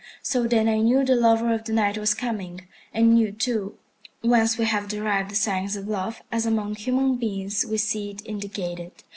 So then I knew the lover of the Night was coming, and knew, too, whence we have derived the signs of love as among human beings we see it indicated.